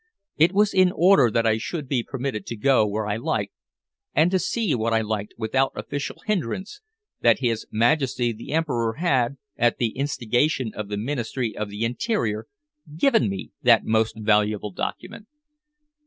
It was in order that I should be permitted to go where I liked, and to see what I liked without official hindrance, that his Majesty the Emperor had, at the instigation of the Ministry of the Interior, given me that most valuable document.